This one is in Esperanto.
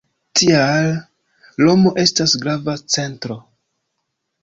Tial, Romo estas grava centro.